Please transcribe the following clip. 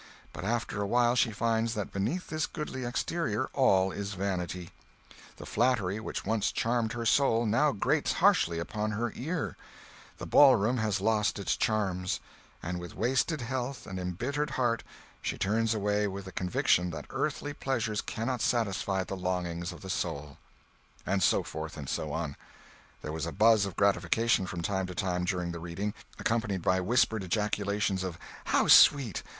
But after a while she finds that beneath this goodly exterior, all is vanity, the flattery which once charmed her soul, now grates harshly upon her ear; the ballroom has lost its charms; and with wasted health and imbittered heart, she turns away with the conviction that earthly pleasures cannot satisfy the longings of the soul!" And so forth and so on. There was a buzz of gratification from time to time during the reading, accompanied by whispered ejaculations of "How sweet!"